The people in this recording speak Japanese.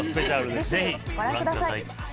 ぜひご覧ください。